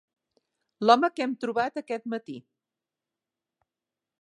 L'home que hem trobat aquest matí.